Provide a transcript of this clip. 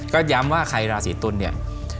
ก็ย้ำว่าใครราศีตุลเนี่ย